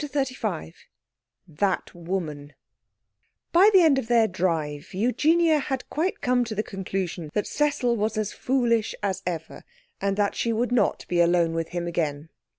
CHAPTER XXXV 'That Woman' By the end of their drive Eugenia had quite come to the conclusion that Cecil was as foolish as ever, and that she would not be alone with him again.